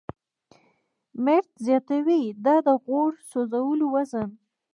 میرټ زیاتوي، دا د "غوړ سوځولو زون